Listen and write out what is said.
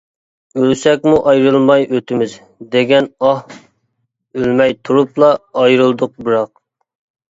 ئۆلسەكمۇ ئايرىلماي ئۆتىمىز، دېگەن، ئاھ، ئۆلمەي تۇرۇپلا ئايرىلدۇق بىراق.